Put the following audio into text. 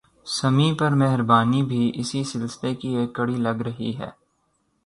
سمیع پر مہربانی بھی اسی سلسلے کی ایک کڑی لگ رہی ہے